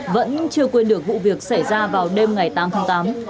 vẫn chưa quên được vụ việc xảy ra vào đêm ngày tám tháng tám